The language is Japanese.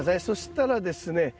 そしたらですね